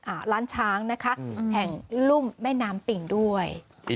ร้านช้างนะคะอืมแห่งรุ่มแม่น้ำปิ่งด้วย